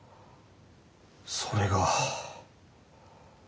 それが。